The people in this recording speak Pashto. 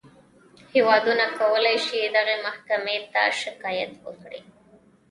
هېوادونه کولی شي دغې محکمې ته شکایت وکړي.